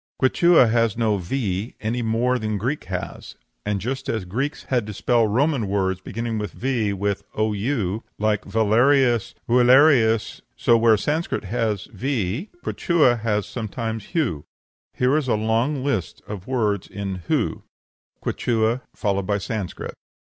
Quichua has no v, any more than Greek has, and just as the Greeks had to spell Roman words beginning with V with Ou, like Valerius Ou?ale'rios so, where Sanscrit has v, Quichua has sometimes hu. Here is a list of words in hu: +++| QUICHUA. | SANSCRIT.